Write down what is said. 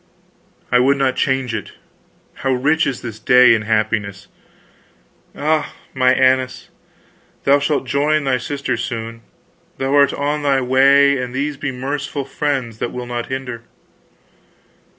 "I would not change it. How rich is this day in happiness! Ah, my Annis, thou shalt join thy sister soon thou'rt on thy way, and these be merciful friends that will not hinder."